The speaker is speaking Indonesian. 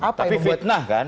tapi fitnah kan